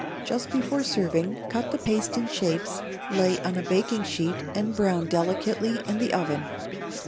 Just before serving, cut the paste in shapes, lay on a baking sheet, and brown delicately in the oven.